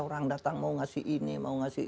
orang datang mau ngasih ini mau ngasih